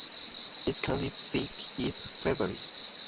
Its county seat is Fairbury.